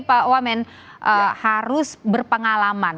pak wamen harus berpengalaman